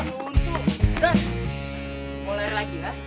mau lari lagi ah